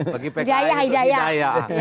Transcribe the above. bagi pks itu hidayah